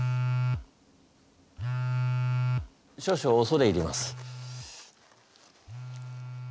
少々おそれ入ります。